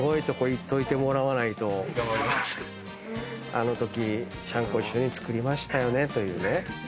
あのときちゃんこ一緒に作りましたよねというね。